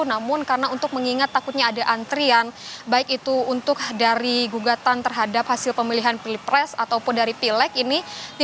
namun karena untuk mengingat takutnya ada antrian baik itu untuk dari gugatan terhadap hasil pemilihan pilpres ataupun dari pileg ini